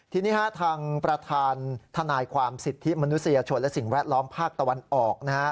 ทีนี้ทางประธานทนายความสิทธิมนุษยชนและสิ่งแวดล้อมภาคตะวันออกนะฮะ